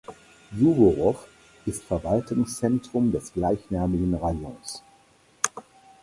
Suworow ist Verwaltungszentrum des gleichnamigen Rajons.